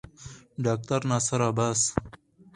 ډاکټر ناصر عباس